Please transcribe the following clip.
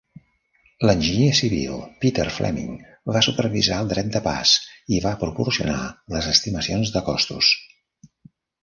L'enginyer civil Peter Fleming va supervisar el dret de pas i va proporcionar les estimacions de costos.